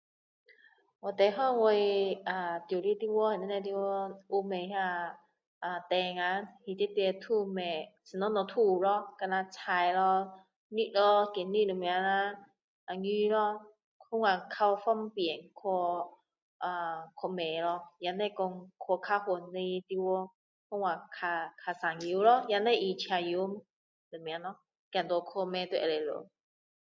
我最好我啊住的地方住的那个地方有卖那个店啊里面什么都有咯就像菜咯肉咯鸡肉什么啊鱼咯那样较方便去买咯也不用说去较远的地方那样较省油咯也不需要用车油什么走路去就可以了